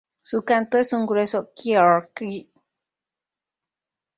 Su canto es un grueso "kieerr-ik".